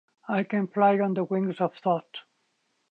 I can fly on the wings of thought!